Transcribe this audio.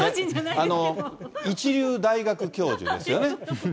一流大学教授ですよね。